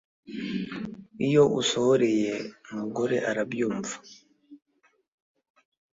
iyo usohoreye mu mugore arabyumva